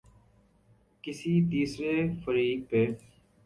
کسی تیسرے فریق پہ۔